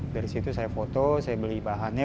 dari situ saya foto saya beli bahannya